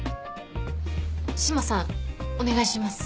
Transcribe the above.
島さんお願いします。